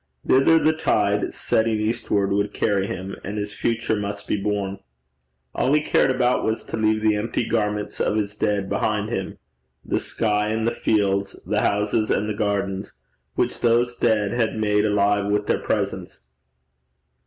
Thither the tide setting eastward would carry him, and his future must be born. All he cared about was to leave the empty garments of his dead behind him the sky and the fields, the houses and the gardens which those dead had made alive with their presence.